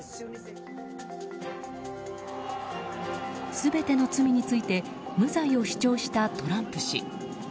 全ての罪について無罪を主張したトランプ氏。